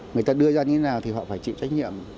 người ta đưa ra như thế nào thì họ phải chịu trách nhiệm